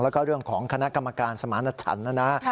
แล้วก็เรื่องของคณะกรรมการสมารณชันนะนะ